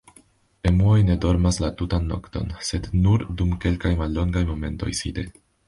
Emuoj ne dormas la tutan nokton sed nur dum kelkaj mallongaj momentoj side.